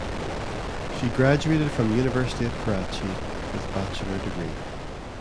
She graduated from University of Karachi with bachelor degree.